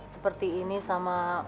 seperti ini sama